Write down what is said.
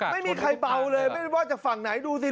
ไม่มีใครเบาเลยไม่ได้ว่าจากฝั่งไหนดูสิ